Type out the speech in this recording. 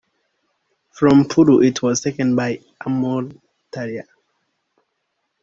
From Puru it was taken by Amurtarya.